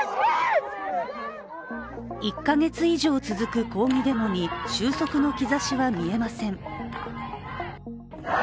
１か月以上続く抗議デモに収束の兆しは見えません。